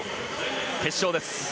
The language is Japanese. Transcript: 決勝です。